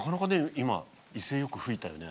今威勢よく噴いたよね。